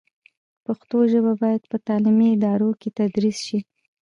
پښتو ژبه باید په تعلیمي ادارو کې تدریس شي.